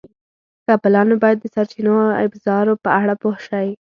که پلان وي، باید د سرچینو او ابزارو په اړه پوه شئ.